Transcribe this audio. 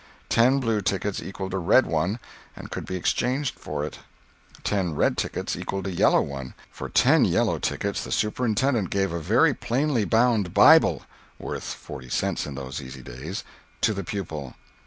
Ten blue tickets equalled a red one, and could be exchanged for it; ten red tickets equalled a yellow one; for ten yellow tickets the superintendent gave a very plainly bound Bible (worth forty cents in those easy times) to the pupil.